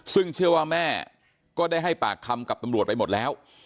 ซึ่งเชื่อว่าแม่ก็ได้ให้ปากคำกับตำรวจไปหมดแล้ว